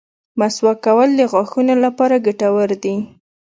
مسواک کول د غاښونو لپاره ګټور دي.